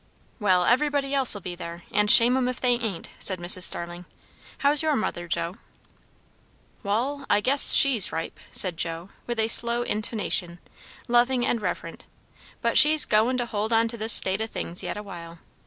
"Well, everybody else'll be there, and shame 'em if they ain't," said Mrs. Starling. "How's your mother, Joe?" "Wall, I guess she's ripe," said Joe with a slow intonation, loving and reverent; "but she's goin' to hold on to this state o' things yet awhile.